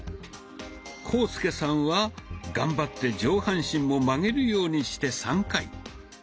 浩介さんは頑張って上半身も曲げるようにして３回。